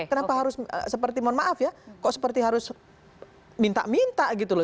kenapa harus seperti mohon maaf ya kok seperti harus minta minta gitu loh